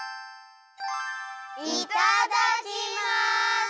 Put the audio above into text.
いただきます！